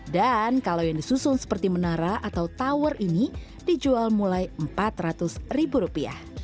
dan kalau yang disusun seperti menara atau tower ini dijual mulai rp empat ratus